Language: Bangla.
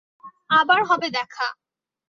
আবার হবে দেখা।